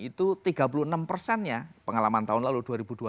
itu tiga puluh enam persennya pengalaman tahun lalu dua ribu dua puluh